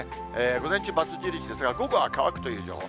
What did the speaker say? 午前中×印ですが、午後は乾くという情報。